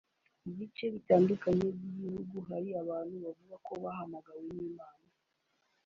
Mu bice bitandukanye by’Igihugu hari abantu bavuga ko bahamagawe n’Imana